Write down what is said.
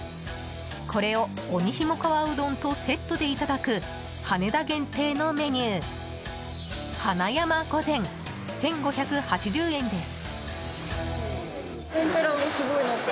これを鬼ひも川うどんとセットでいただく羽田限定のメニュー花山御膳、１５８０円です。